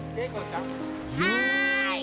はい！